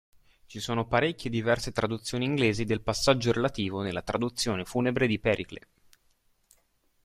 Ci sono parecchie diverse traduzioni inglesi del passaggio relativo nella traduzione funebre di Pericle.